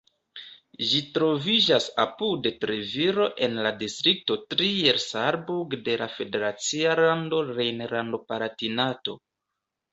Ĝi troviĝas apud Treviro en la distrikto Trier-Saarburg de la federacia lando Rejnlando-Palatinato.